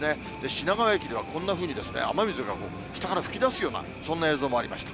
品川駅ではこんなふうに、雨水が下から噴き出すような、そんな映像もありました。